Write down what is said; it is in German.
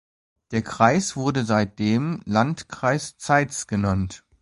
Der Kreis wurde seitdem "Landkreis Zeitz" genannt.